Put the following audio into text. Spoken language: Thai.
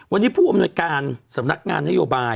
วันนี้ผู้อำนวยการสำนักงานนโยบาย